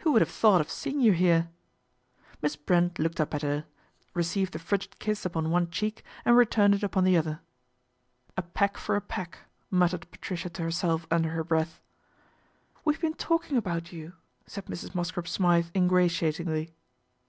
Who would have thought of seeing you here." Miss Brent looked up at her, received the frigid kiss upon one cheek and returned it upon the other. " A peck for a peck," muttered Patricia to her self under her breath. " We've been talking about you," said Mrs. Mosscrop Smythe ingratiatingly.